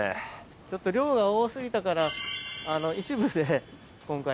ちょっと量が多過ぎたから一部で今回は。